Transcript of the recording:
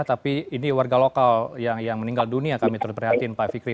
tapi ini warga lokal yang meninggal dunia kami turut prihatin pak fikri